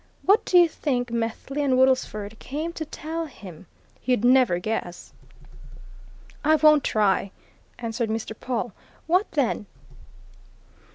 What do you think Methley and Woodlesford came to tell him? You'd never guess!" "I won't try!" answered Mr. Pawle. "What, then?"